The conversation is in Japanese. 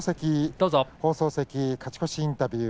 勝ち越しインタビュー